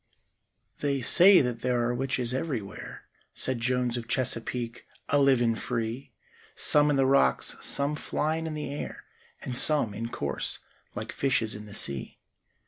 "They say that there are witches everywhere," Said Jones of Chesapeake, "a livin' free; Some in the rocks, some flyin' in the air, And some, in course, like fishes in the sea.